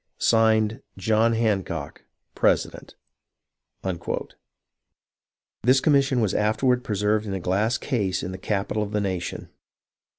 (Signed) John Hancock, President. This commission was afterward preserved in a glass case in the capital of the nation.